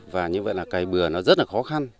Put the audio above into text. và như vậy là cây bừa nó rất là khó khăn